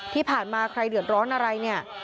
ที่ผ่านมาใครเดือดร้อนอะไรเนี่ย